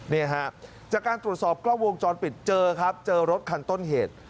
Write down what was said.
นี่ฮะจากการตรวจสอบกล้องวงจรปิดเจอครับเจอรถคันต้นเหตุ